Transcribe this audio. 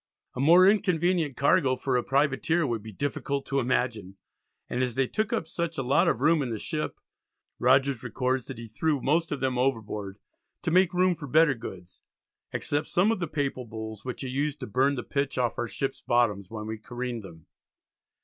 A more inconvenient cargo for a privateer would be difficult to imagine, and as they took up such a lot of room in the ship, Rogers records that he threw most of them overboard "to make room for better goods," except some of the Papal Bulls which he used "to burn the pitch off our ships' bottoms when we careened them."